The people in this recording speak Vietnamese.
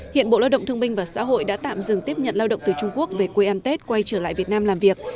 hiện bộ lao động thương minh và xã hội đã tạm dừng tiếp nhận lao động từ trung quốc về quê an tết quay trở lại việt nam làm việc